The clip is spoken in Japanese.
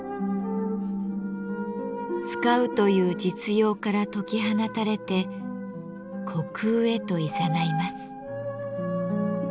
「使う」という実用から解き放たれて虚空へといざないます。